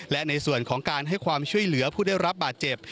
และในส่วนของการให้ความช่วยเหลือผู้ได้รับบาดเจ็บ